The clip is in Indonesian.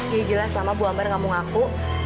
iya jelas lama bu amber nggak mau ngaku